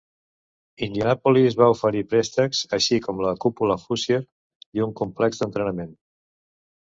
Indianapolis va oferir préstecs, així com la cúpula Hoosier i un complex d'entrenament.